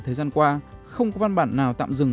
thời gian qua không có văn bản nào tạm dừng